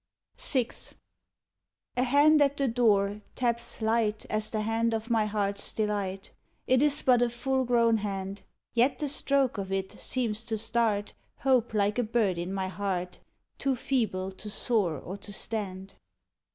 VI A hand at the door taps light As the hand of my heart's delight: It is but a full grown hand, Yet the stroke of it seems to start Hope like a bird in my heart, Too feeble to soar or to stand.